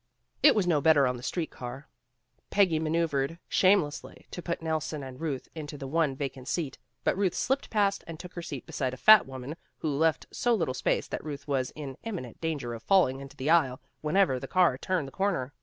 It was no better on the street car. Peggy maneuvered shamelessly to put Nelson and Ruth into the one vacant seat, but Ruth slipped past and took her seat beside a fat woman, who left so little space that Ruth was in imminent danger of falling into the aisle, whenever the car turned the corner.